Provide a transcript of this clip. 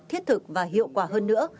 thiết thực và hiệu quả hơn nữa